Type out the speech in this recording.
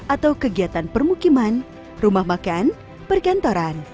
atau kegiatan permukiman rumah makan perkantoran